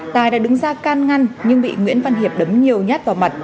tài đã đứng ra can ngăn nhưng bị nguyễn văn hiệp đấm nhiều nhát vào mặt